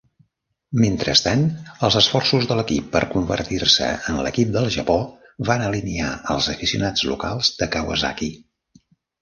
Mentrestant, els esforços de l'equip per convertir-se en l'"Equip del Japó" van alinear els aficionats locals de Kawasaki.